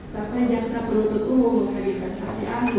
bahwa jasa penuntut umum mengadakan saksi ahli